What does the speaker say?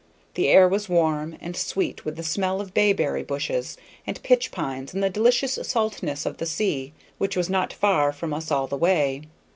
The air was warm, and sweet with the smell of bayberry bushes and pitch pines and the delicious saltness of the sea, which was not far from us all the way.